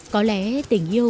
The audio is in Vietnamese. có lẽ tình yêu